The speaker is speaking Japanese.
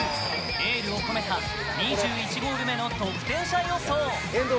エールを込めた２１ゴール目の得点者予想。